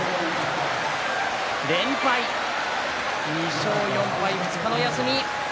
連敗、２勝４敗２日の休み。